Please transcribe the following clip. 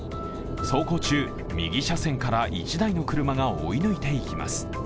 走行中、右車線から１台の車が追い抜いていきます。